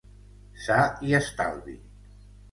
Sa i estalvi.